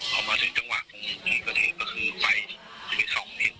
พอมาถึงจังหวะตรงนี้ก็เห็นก็คือไฟ๒เห็นเขาอีก